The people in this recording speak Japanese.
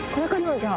じゃあ。